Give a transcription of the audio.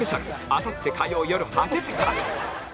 あさって火曜よる８時から